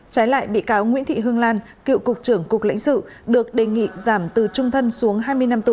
trái lại bị cáo nguyễn thị hương lan cựu cục trưởng cục lãnh sự được đề nghị giảm từ trung thân xuống hai mươi năm tù